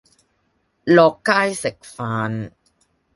落街食飯